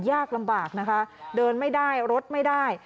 ยากลำบากนะคะเดินไม่ได้รถไม่ได้